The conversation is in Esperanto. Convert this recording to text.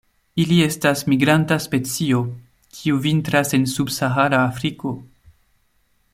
Ili estas migranta specio, kiu vintras en subsahara Afriko.